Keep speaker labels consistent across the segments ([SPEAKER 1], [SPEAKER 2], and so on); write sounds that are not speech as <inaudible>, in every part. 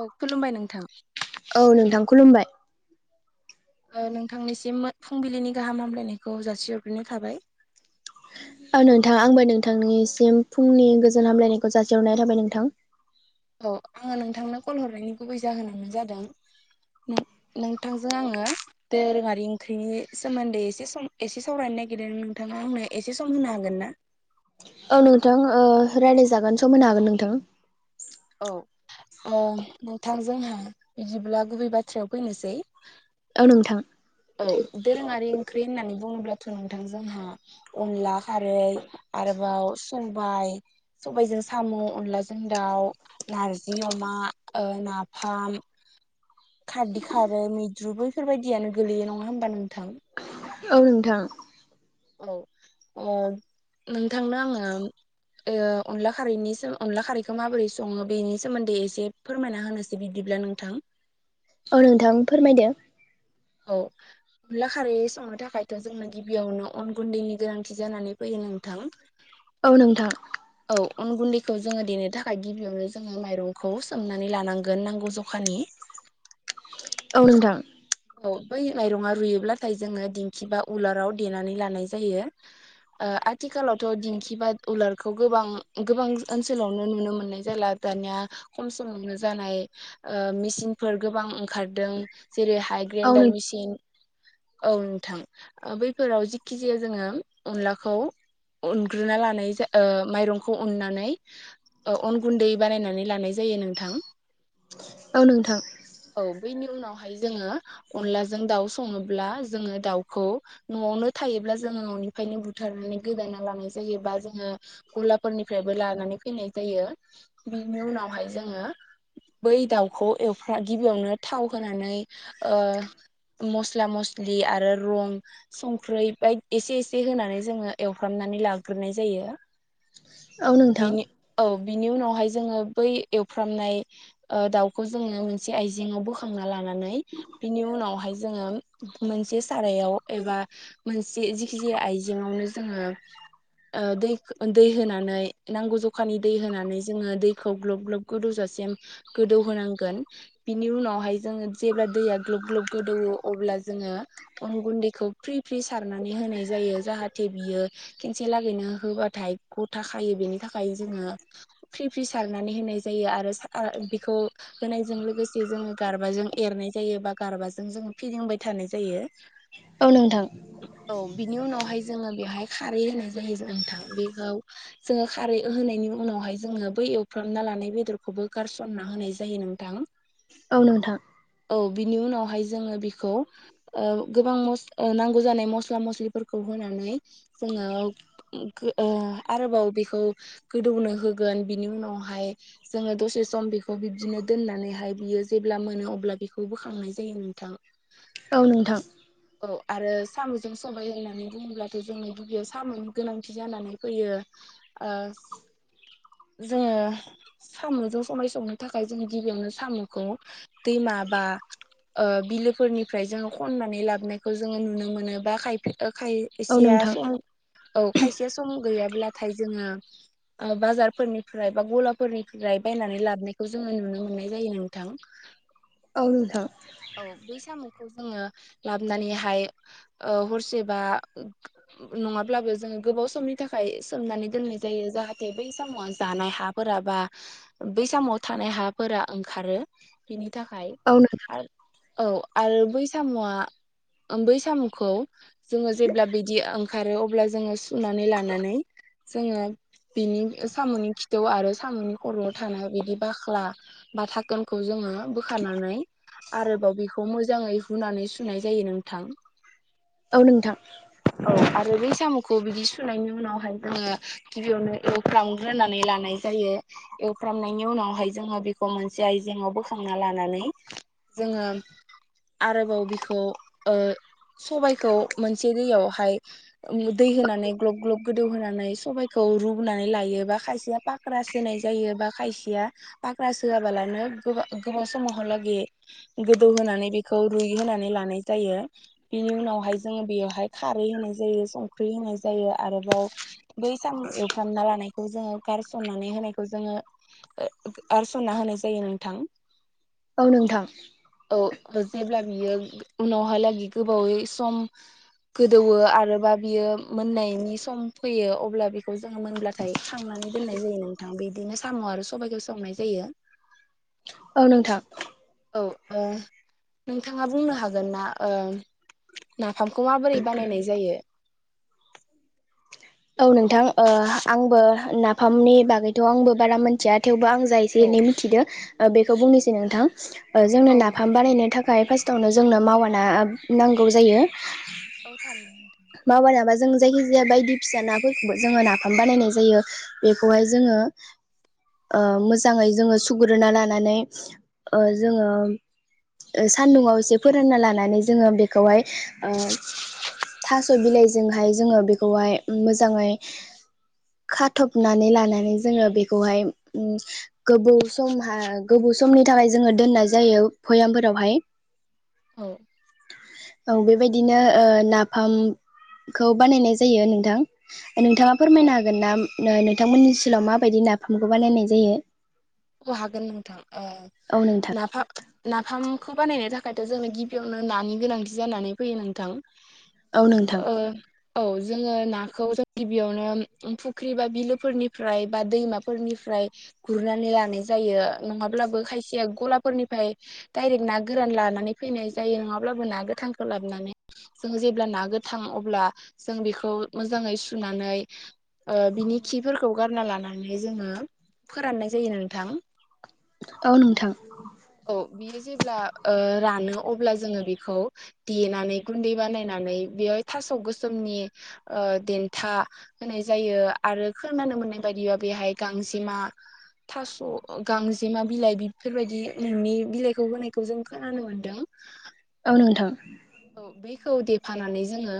[SPEAKER 1] औ खुलुमबाय नोंथां
[SPEAKER 2] औ नोंथां खुलुमबाय
[SPEAKER 1] ओ नोंथांनिसिम फुंबिलिनि गाहाम हामलायनायखौ जासिहरग्रोनाय थाबाय
[SPEAKER 2] औ नोंथां आंबो नोंथांनिसिम फुंनि गोजोन हामलायनायखौ जासिहरनाय थाबाय नोंथां
[SPEAKER 1] औ आङो नोंथांनो कल हरनायनि गुबै जाहोनानो जादों नों नोंथांजों आङो दोरोङारि ओंख्रिनि सोमोन्दै एसे सम एसे सावरायनो नागिरदों नोंथाङा आंनो एसे सम होनो हागोन ना
[SPEAKER 2] औ नोंथां ओ रायलायजागोन सम होनो हागोन नोंथां
[SPEAKER 1] औ ओ नोंथां जोंहा बिदिब्ला गुबै बाथ्रायाव फैनोसै
[SPEAKER 2] औ नोंथां
[SPEAKER 1] औ दोरोङारि ओंख्रि होननानै बुङोब्लाथ' नोंथां जोंहा अनला खारै आरोबाव सबाय सबायाइजों साम' अनलाजों दाउ नारजि अमा ओ नाफाम खारदै खारै मैद्रु बैफोरबायदियानो गोलैयो नङा होमबा नोंथां
[SPEAKER 2] औ नोंथां
[SPEAKER 1] औ अ नोंथांनो आङो ओ अनला खारैनि अनला खारैखौ माबोरै सङो बेनि सोमोन्दै एसे फोरमायना होनोसै बिदिब्ला नोंथां
[SPEAKER 2] औ नोंथां फोरमायदो
[SPEAKER 1] औ अनला खारै संनो थाखायथ' जोंना गिबियावनो अन गुन्दैनि गोनांथि जानानै फैयो नोंथां
[SPEAKER 2] औ नोंथां
[SPEAKER 1] औ अन गुन्दैखौ जोङो देनो थाखाय गिबियावनो जोङो माइरंखौ सोमनानै लानांगोन नांगौ जखानि
[SPEAKER 2] औ नोंथां
[SPEAKER 1] औ बै माइरङा रुइयोब्लाथाय जोङो दिंखि बा उलाराव देनानै लानाय जायो। ओ आथिखालावथ' दिंखि बा उलार खौ गोबां गोबां ओनसोलावनो नुनो मोननाय जाला दानिया खम समावनो जानाय ओ मेचिनफोर गोबां ओंखारदों जेरैहाय
[SPEAKER 2] औ
[SPEAKER 1] ग्रेइन्डार
[SPEAKER 2] नोंथां
[SPEAKER 1] मेचिन औ नोंथां बैफोराव जिखिजियाव जोङो अनलाखौ उनग्रोना लानाय जा ओ माइरंखौ उननानै ओ अन गुन्दै बानायनानै लानाय जायो नोंथां
[SPEAKER 2] औ नोंथां
[SPEAKER 1] औ बैनि उनावहाय जोङो अनलाजों दाउ सङोब्ला जोङो दाउखौ न'आवनो थायोब्ला जोङो न'निफ्रायनो बुथारनानै गोदाना लानाय जायोबा जोङो गलाफोरनिफ्रायबो लानानै फैनाय जायो बिनि उनावहाय जोङो बै दाउखौ एवफ्रा गिबियावनो थाव होनानै ओ मस्ला मस्लि आरो रं संख्रि बाय एसे एसे होनानै जोङो एवफ्रामनानै लाग्रोनाय जायो।
[SPEAKER 2] औ नोंथां।
[SPEAKER 1] बिनि औ बिनि उनावहाय जोङो बै एवफ्रामनाय ओ दाउखौ जोङो मोनसे आइजेंआव बोखांना लानानै बिनि उनावहाय जोङो मोनसे सारायाव एबा मोनसे जिखि जाया आयजेंआवनो जोङो ओ दै दै होनानै नांगौ जखानि दै होनानै जोङो दैखौ ग्लुब ग्लुब गोदौजासिम गोदौहांगोन। बिनि उनावहाय जोङो जेब्ला दैया ग्लोब ग्लोब गोदौवो अब्ला जोङो अन गुन्दैखौ फ्रि फ्रि सारनानै होनाय जायो जाहाथे बियो खेनसे लागैनो होबा बाथाइ ग' थाखायो बेनि थाखाय जोङो फ्रि फ्रि सारनानै होनाय जायो आरो बेखौ होनायजों लोगोसे जोङो गारबाजों एरनाय जायो बा गारबाजों जोङो फिदिंबाय थानाय जायो। <inaudible>
[SPEAKER 2] औ नोंथां।
[SPEAKER 1] औ बिनि उनावहाय जोङो बेवहाय खारै होनाय जायो नोंथां बेखौ जोङो खारै होनायनि उनावहाय जोङो बै एवफ्रामना लानाय बेदरखौबो गारसनना होनाय जायो नोंथां। <inaudible>
[SPEAKER 2] औ नोंथां।
[SPEAKER 1] औ बिनि उनावहाय जोङो बेखौ ओ गोबां ओ नांगौ जानाय मस्ला मस्लिफोरखौ होनानै जोङो ओ आरोबाव बेखौ गोदौनो होगोन बिनि उनावहाय जोङो दसे सम बेखौ बिब्दिनो दोननानैहाय बियो जेब्ला मोनो अब्ला बेखौ बोखांनाय जायो नोंथां।
[SPEAKER 2] औ नोंथां।
[SPEAKER 1] औ आरो साम'जों सबाय होननानै बुङोब्लाथ' जोंनि दगैयाव साम'नि गोनांथि जानानै फैयो। ओ जोङो साम'जों सबाय संनो थाखाय जों गिबियावनो साम'खौ दैमा बा ओ बिलोफोरनिफ्राय जोङो खननानै ला बोनायखौ जोङो नुनो मोनो
[SPEAKER 2] औ नोंथां औ नोंथां औ नोंथां औ
[SPEAKER 1] खाय-खायसेया
[SPEAKER 2] नोंथां
[SPEAKER 1] सम औ खायसे सम गैयाब्लाथाय जोङो ओ बाजारफोरनिफ्राय बा गलाफोरनिफ्राय बायनानै लाबोनायखौ जोङो नुनो मोननाय जायो नोंथां। <inaudible>
[SPEAKER 2] औ नोंथां।
[SPEAKER 1] औ बै साम'खौ जोङो लाबोनानैहाय ओ हरसेबा नङाब्लाबो जोङो गोबाव समनि थाखाय सोमनानै दोननाय जायो जाहाथे बै साम'आ जानाय हा फोरा बा बै समाव थानाय हाफोरा ओंखारो बेनि थाखाय औ आरो बै सामुआ ओ बै साम'खौ जोङो जेब्ला बिदि ओंखारो अब्ला जोङो सुनानै लानानै जोङो बिनि साम'नि खिथौ आरो साम'नि खर'आव थानाय बिदि बाख्ला बा थाखोनखौ जोङो बोखारनानै आरोबाव बेखौ मोजाङै हुनानै सुनाय जायो नोंथां।
[SPEAKER 2] औ नोंथां।
[SPEAKER 1] औ। आरो बै साम'खौ बिदि सुनायनि उनावहाय जोङो गिबियावनो एवफ्रामग्रोनानै लानाय जायो। एवफ्रामनायनि उनावहाय जोङो बेखौ मोनसे आयजेंङाव बोखांना लानानै जोङो आरोबाव बिखौ ओ सबाइखौ मोनसे दैयावहाय दै होनानै ग्ल'ब ग्ल'ब गोदौहोनानै सबाइखौ रुनानै लायो बा खायसेया फाख्रा सोनाय जायो बा खायसेया फाग्रा सोआबालानो गोब गोबाव समावहालागै गोदौ होनोनानै बेखौ रुय होनानै लानाय जायो बेनि उनावहाय जोङो बेयावहाय खारै होनाय जायो संख्रि होनाय जायो आरोबाव बै साम' एवफ्रामना लानायखौ जोङो गारसननानै होनायखौ जोङो आर सनना होनाय जायो नोंथां।
[SPEAKER 2] औ नोंथां।
[SPEAKER 1] औ जेब्ला बियो उनावहालागै गोबावै सम गोदौवो आरोबा बियो मोननायनि सम फैयो अब्ला बेखौ जोङो मोनब्लाथाय खांनानै दोननाय जायो नोंथां बिदिनो साम' आरो सबाइखौ संनाय जायो
[SPEAKER 2] औ नोंथां
[SPEAKER 1] औ नोंथाङा बुंनो हागोन जागोन ना नाफामखौ माबोरै बानायनाय जायो
[SPEAKER 2] औ नोंथां आंबो नाफामनि बागैथ' आंबो बारा मिथिया थेवबो आं जा एसे
[SPEAKER 1] औ
[SPEAKER 2] एनै मिथिदो बेखौ बुंनोसै नोंथां
[SPEAKER 1] औ
[SPEAKER 2] जोंनो नाफाम
[SPEAKER 1] देलाय बुं
[SPEAKER 2] बानायनो थाखाय फार्स्टावनो जोंनो मावा ना नांगौ जायो
[SPEAKER 1] औ थारैनो नोंथां
[SPEAKER 2] मावा नाबा जों जायखि जाया बायदि फिसा नाफोरखौबो जोङो नाफाम बानायनाय जायो बेखौहाय जोङो मोजाङै जोङो सुग्रोना लानानै जोङो सान्दुंङआव एसे फोरानना लानानै जोङो बेखौहाय थास' बिलाइजोंहाय जोङो बेखौहाय मोजाङै खाथबनानै लानानै जोङो बेखौहाय गोबौ समहा गोबौ समनि थाखाय जोङो दोननाय जायो भयामफोरावहाय
[SPEAKER 1] औ
[SPEAKER 2] औ बेबायदिनो नाफामखौ बानायनाय जायो नोंथां नोंथाङा फोरमायनो हागोन ना नोंथांमोननि ओनसोलाव माबायदि नाफामखौ बानायनाय जायो
[SPEAKER 1] अ हागोन नोंथां
[SPEAKER 2] औ नोंथां
[SPEAKER 1] नाफा नाफामखौ बानायनो थाखायथ' जोंनो गिबियावनो नानि गोनांथि जानानै फैयो नोंथां
[SPEAKER 2] औ नोंथां
[SPEAKER 1] अ औ जोङो नाखौ जों गिबियावनो फुख्रि बा बिलोफोरनिफ्राय बा दैमाफोरनिफ्राय गुरनानै लानाय जायो नङाब्लाबो खायसेया गलाफोरनिफ्राय डाइरेक्ट ना गोरान लानानै फैनाय जायो नङाब्लाबो ना गोथांखौ लाबोनानै जों जेब्ला ना गोथां अब्ला जों बेखौ मोजाङै सुनानै बिनि खिफोरखौ गारना लानानै जोङो फोराननाय जायो नोंथां
[SPEAKER 2] औ नोंथां
[SPEAKER 1] औ बियो जेब्ला रानो अब्ला जोङो बेखौ देनानै गुन्दै बानायनानै बेयाव थास' गोसोमनि देन्था होनाय जायो आरो खोनानो मोननाय बायदिबा बेहाय गांजेमा थास' गांजेमा बिलाइ बेफोरबायदि नोंनि बिलाइखौ होनायखौ जों खोनानो मोनदों
[SPEAKER 2] औ नोंथां
[SPEAKER 1] औ बेखौ देफानानै जोङो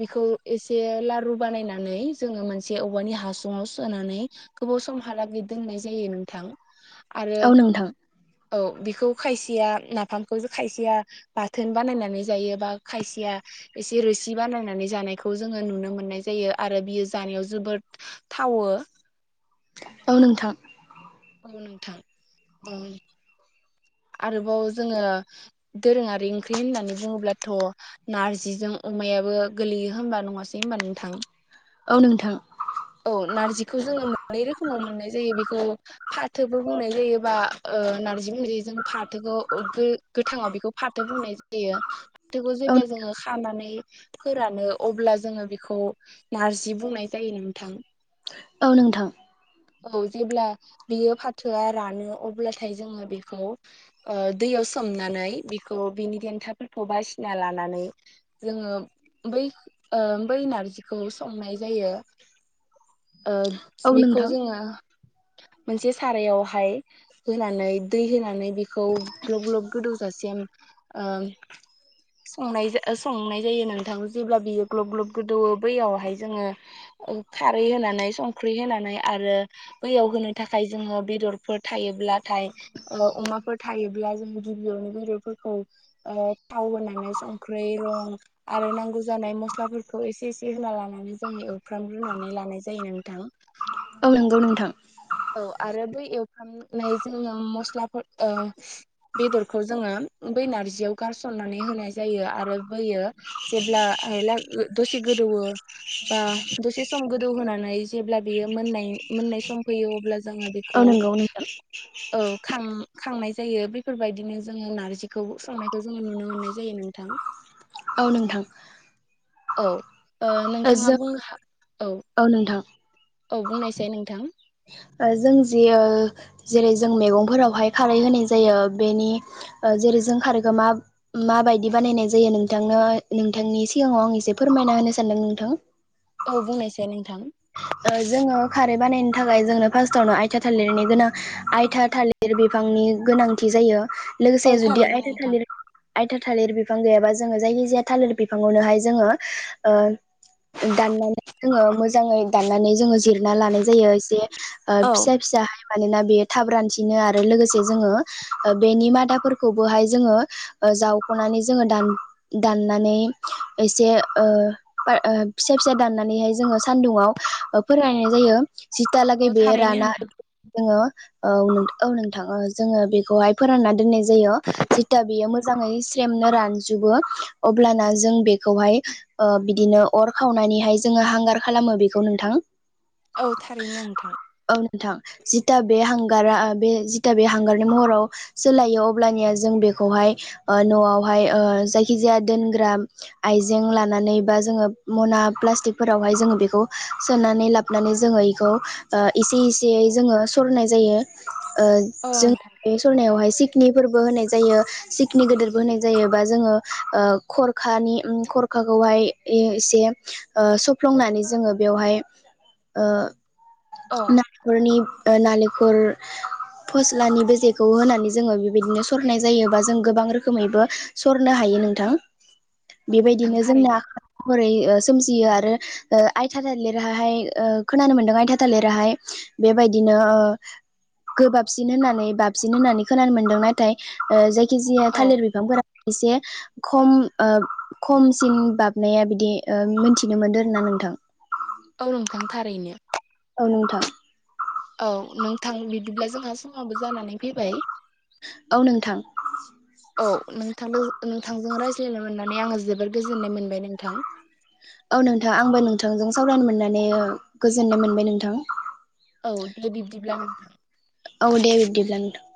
[SPEAKER 1] बिखौ एसे लारु बानायनानै जोङो मोनसे औवानि हासुङाव सोनानै गोबाव समहालागै दोननाय जायो नोंथां आरो
[SPEAKER 2] औ नोंथां
[SPEAKER 1] औ बेखौ खायसेया नाफामखौ खायसेया बाथोन बानायनानै जायोबा खायसेया एसे रोसि बानायनानै जानायखौ जोङो नुनो मोननाय जायो आरो बियो जानायाव जोबोद थावो
[SPEAKER 2] औ नोंथां
[SPEAKER 1] औ नोंथां औ आरोबाव जोङो दोरोङारि ओंख्रि होननानै बुङोब्लाथ' नारजिजों अमायाबो गोलैयो होनबा नङासै होनबा नोंथां?
[SPEAKER 2] औ नोंथां
[SPEAKER 1] औ नारजिखौ जोङो मोननै रोखोमाव मोननाय जायो बेखौ फाथोबो बुंनाय जायोबा नारजि मोनजिजों फाथोखौ गो गोथाङाव बेखौ फाथो बुंनाय जायो यो फाथोखौ जेब्ला जोङो खानानै फोरानो अब्ला जोङो बेखौ नारजि बुंनाय जायो नोंथां
[SPEAKER 2] औ नोंथां
[SPEAKER 1] औ जेब्ला बियो फाथोआ रानो अब्लाथाय जोङो बेखौ ओ दैयाव सोमनानै बिखौ बिनि देन्थाफोरखौ बासिना लानानै जोङो बै बै नारजिखौ संनाय जायो। ओ
[SPEAKER 2] औ
[SPEAKER 1] बेख
[SPEAKER 2] नोंथां
[SPEAKER 1] मोनसे सारायावहाय होनानै दै होनानै बेखौ ग्लब ग्लब गोदौजासिम ओ संनाय संनाय जायो नोंथां जेब्ला बियो ग्लब ग्लब गोदौवो बैयावहाय जोङो खारै होनानै संख्रि होनानै आरो बैयाव होनो थाखाय जोङो बेदर फोर थायोब्लाथाय अमाफोर थायोब्ला जों गिबियावनो बेदरफोरखौ थाव होनानै संख्रै रं आरो नांगौ जानाय मस्लाफोरखौ एसे एसे होना लानानै जोंङो एव फ्रामग्रोनानै लानाय जायो नोंथां।
[SPEAKER 2] औ नंगौ नोंथां
[SPEAKER 1] औ आरो बै एवफ्रामनाय जोङो मस्लाफोर औ बेदरखौ जोङो बै नारजियाव गारसननानै होनाय जायो आरो होयो जेब्ला आयला दसे गोदौवो बा दसे सम गोदौ होनोनानै जेब्ला बेयो मोननाय मोननाय सम फैयो अब्ला जोङो
[SPEAKER 2] औ
[SPEAKER 1] बेखौ
[SPEAKER 2] नंगौ नोंथां
[SPEAKER 1] औ खां-खांनाय जायो बेफोरबायदिनो जोङो नारजिखौ संनाय बेखौ जोङो नुनो मोननाय जायो नोंथां।
[SPEAKER 2] औ नोंथां
[SPEAKER 1] औ नोंथाङा
[SPEAKER 2] जों
[SPEAKER 1] बुंनो हा औ
[SPEAKER 2] औ नोंथां
[SPEAKER 1] औ बुंनायसाय नोंथां
[SPEAKER 2] जों जि जेरै जों मैगंफोरावहाय खारै होनाय जायो बेनि जेरै जों खारैखो मा माबायदि बानायनाय जायो नोंथांनो नोंथांनि सिगाङाव आं एसे फोरमायना होनो सानदों नोंथां।
[SPEAKER 1] औ बुंनायसाय नोंथां
[SPEAKER 2] जोङो खारै बानायनो थाखाय जोंनो फार्स्टआवनो आयथा थालिरनि गोनां आइथा थालिर थालिर बिफांनि गोनांथि जायो
[SPEAKER 1] औ
[SPEAKER 2] लोगोसे जुदि
[SPEAKER 1] थारैनो
[SPEAKER 2] आयथा
[SPEAKER 1] नोंथां
[SPEAKER 2] थालिर आयथा थालिर बिफां गैयाबा जोङो जायखिजाया थालिर बिफाङावनोहाय जोङो दाननानै जोङो मोज मोजाङै दाननानै जोङो जिरना लानाय जायो एसे
[SPEAKER 1] औ
[SPEAKER 2] फिसा फिसाहाय मानोना बेयो थाब रानसिनो आरो लोगोसे जोङो बेनि मादाफोरखौबोहाय जोङो जावख'नानै जोङो दान दाननानै एसे फिसा फिसा दाननानैहाय जोङो सान्दुंयाव फोराननाय जायो जिथियालागै बेयो
[SPEAKER 1] थारैनो
[SPEAKER 2] राना
[SPEAKER 1] नोंथां
[SPEAKER 2] जोङो औ औ नोंथां जोङो बेखौहाय फोराननानै दोननाय जा जायो जेथिया बेयो मोजाङै सेमनो रानजुबो अब्लाना जों बेखौहाय बिदिनो अर खावनानैहाय जोङो हांगार खालामो बेखौ नोंथां
[SPEAKER 1] औ थारैनो नोंथां
[SPEAKER 2] औ नोंथां जिथा बे हांगारा बे जिथा बे हांगारनि महराव सोलायो अब्लानिया जों बेखौहाय न'आवहाय ओ जायखिजाया दोनग्रा आइजें लानानै बा जोङो मना प्लास्टिकफोरावहाय जोङो बेखौ सोनानै लाबनानै जोङो बेखौ इसे
[SPEAKER 1] औ
[SPEAKER 2] एसेयै जोङो सरनाय जायो ओ
[SPEAKER 1] औ
[SPEAKER 2] जों बे सरनायावहाय सिखनि फोरबो होनाय जायो। सिखनि गिदिरबो होनाय जायो बा जोङो खरखानि खरखाखौहाय एसे सफ्लंनानै जोङो बेवहाय
[SPEAKER 1] औ
[SPEAKER 2] ना खरनि नालेंखर फस्लानि बेजेखौ होनानै जोङो बेबायदिनो सरनाय जायोबा जों गोबां रोखोमैबो सरनो हायो नोंथां।
[SPEAKER 1] <inaudible> नोंथां
[SPEAKER 2] बेबायदिनो जोंना
[SPEAKER 1] थारैनो
[SPEAKER 2] हरै ओ सोमजियो आरो ओ आयथा थालिरहाहाय खोनानो मोनदों आयथा थालिराहाय बेबायदिनो गोबाबसिन होननानै बाबसिन होननानै खोनानो मोनदों नाथाय जायखिजाया
[SPEAKER 1] औ
[SPEAKER 2] थालिर बिफांफोरा एसे खम ओ खमसिन बाबनाया बिदि ओ मिथिनो मोनदों आरोना नों थां
[SPEAKER 1] औ नोंथां थारैनो।
[SPEAKER 2] औ नोंथां।
[SPEAKER 1] औ नोंथां बिदिब्ला जोंहा समाबो जानानै फैबाय।
[SPEAKER 2] औ नोंथां
[SPEAKER 1] <inaudible> औ नोंथांदों नोंथांजों रायज्लायनो मोननानै आङो जोबोर गोजोननाय मोनबाय नोंथां।
[SPEAKER 2] औ नोंथां आंबो नोंथांजों सावरायनो मोननानै ओ गोजोननाय मोनबाय नोंथां।
[SPEAKER 1] औ दे बिब्दिब्ला नोंथां।
[SPEAKER 2] औ दे बिब्दिब्ला नोंथां